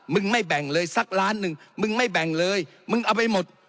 ไม่แบ่งเลยสักล้านหนึ่งมึงไม่แบ่งเลยมึงเอาไปหมด